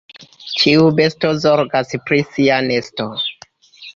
Ĉiu besto zorgas pri sia nesto.